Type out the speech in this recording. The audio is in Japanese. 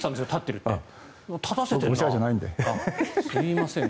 すみません。